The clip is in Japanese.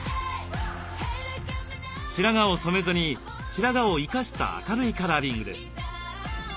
白髪を染めずに白髪を生かした明るいカラーリングです。